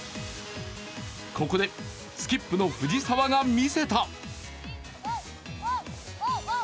ここでスキップの藤澤が見せた。